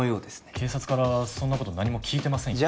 警察からそんなこと何も聞いてませんよ